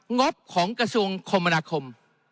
งบของกระทรวงคมนาคม